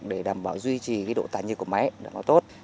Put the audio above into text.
để đảm bảo duy trì độ tải nhiệt của máy tốt